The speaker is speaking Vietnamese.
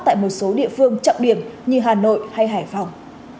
tại một số địa phương trọng điểm như hà nội hay hải phòng